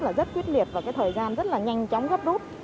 là rất quyết liệt và cái thời gian rất là nhanh chóng gấp rút